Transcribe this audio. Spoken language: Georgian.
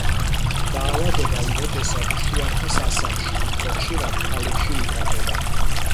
დაავადება უმეტესად შუახნის ასაკში, უფრო ხშირად ქალებში ვითარდება.